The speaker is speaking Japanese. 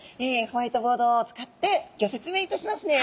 ホワイトボードを使ってギョ説明いたしますね。